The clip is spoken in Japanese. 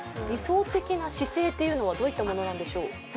理想的な姿勢というのはどういったものなんでしょう？